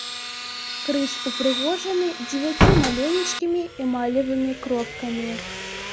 Крыж упрыгожаны дзевяццю маленечкімі эмалевымі кропкамі.